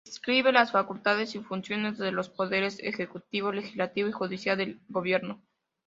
Prescribe las facultades y funciones de los poderes ejecutivo, legislativo y judicial del Gobierno.